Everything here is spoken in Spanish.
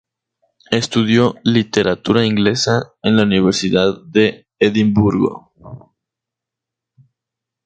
Estudió literatura inglesa en la Universidad de Edimburgo.